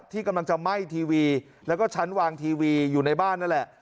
ที่กำลังจะไหม้ทีวีแล้วก็ชั้นวางทีวีอยู่ในบ้านนั่นแหละ